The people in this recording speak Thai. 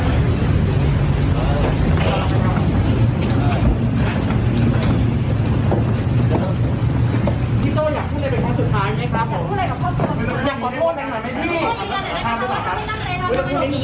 พี่โจ้อยากพูดอะไรเป็นครั้งสุดท้ายไหมครับ